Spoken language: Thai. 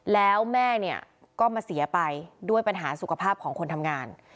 แล้วแม่เนี่ยก็มาเสียไปด้วยปัญหาสุขภาพของคนทำงาน